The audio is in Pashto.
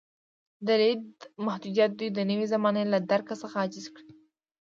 د لید محدودیت دوی د نوې زمانې له درک څخه عاجز کړل.